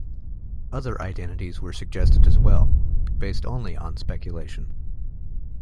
Other identities were suggested as well, based only on speculation.